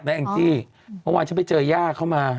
แองจี้เมื่อวานฉันไปเจอย่าเข้ามา